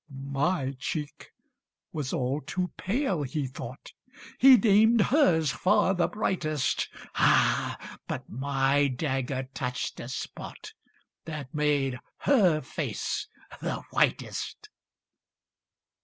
My cheek was all too pale, he thought; He deemed hers far the brightest. Ha! but my dagger touched a spot That made her face the whitest!